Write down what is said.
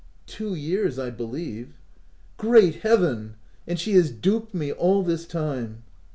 "Two years, I believe." " Great Heaven ! and she has duped me all this time